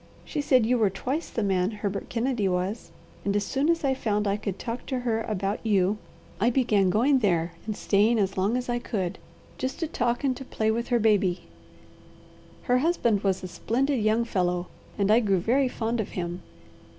She said you were twice the man Herbert Kennedy was, and as soon as I found I could talk to her about you, I began going there and staying as long as I could, just to talk and to play with her baby. "Her husband was a splendid young fellow, and I grew very fond of him.